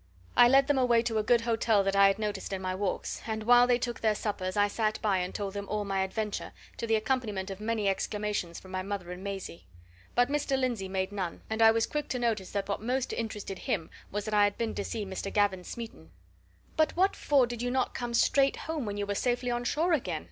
I led them away to a good hotel that I had noticed in my walks, and while they took their suppers I sat by and told them all my adventure, to the accompaniment of many exclamations from my mother and Maisie. But Mr. Lindsey made none, and I was quick to notice that what most interested him was that I had been to see Mr. Gavin Smeaton. "But what for did you not come straight home when you were safely on shore again?"